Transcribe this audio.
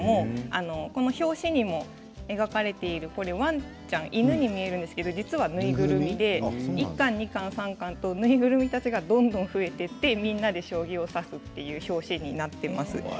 表紙にも描かれているこれワンちゃん、犬に見えるんですけど実は縫いぐるみで１巻２巻３巻きと縫いぐるみたちがどんどん増えていってみんなで将棋を指すという表紙になっています。